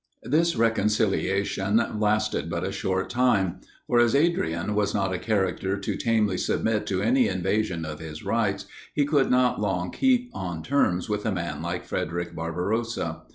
This reconciliation lasted but a short time: for, as Adrian was not a character to tamely submit to any invasion of his rights, he could not long keep on terms with a man like Frederic Barbarossa.